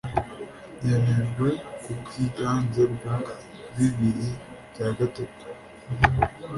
byemejwe ku bwiganze bwa bibiri bya gatatu